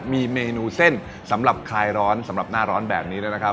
มีเมนูเส้นสำหรับคลายร้อนสำหรับหน้าร้อนแบบนี้ด้วยนะครับ